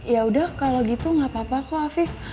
yaudah kalau gitu gak apa apa kok afif